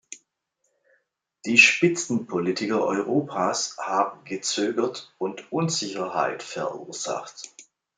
Die Spitzenpolitiker Europas haben gezögert und Unsicherheit verursacht.